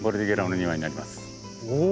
おお！